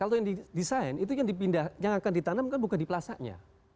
kalau yang di desain itu yang akan ditanam bukan di plasanya